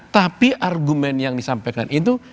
tapi argumen yang disampaikan itu